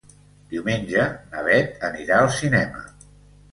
Diumenge na Beth anirà al cinema.